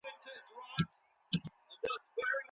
دولتي پوهنتون بې بودیجې نه تمویلیږي.